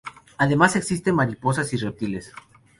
Además existen mariposas y reptiles.